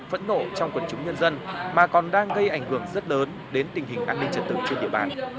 phẫn nổ trong quần chúng nhân dân mà còn đang gây ảnh hưởng rất lớn đến tình hình an ninh trật tự trên địa bàn